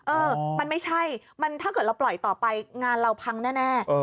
เออมันไม่ใช่ถ้าเกิดเราปล่อยต่อไปงานเราพังแน่